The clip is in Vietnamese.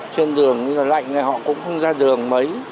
trên đường lạnh này họ cũng không ra đường mấy